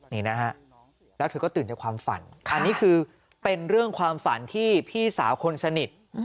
นี่นะฮะแล้วเธอก็ตื่นจากความฝันอันนี้คือเป็นเรื่องความฝันที่พี่สาวคนสนิท